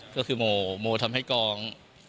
ก็คือโมโมทำให้กอง